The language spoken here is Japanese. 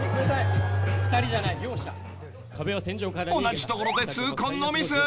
［同じところで痛恨のミス］